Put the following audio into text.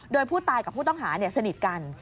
โดยผู้ตายกับผู้ต้องหาสนิทกัน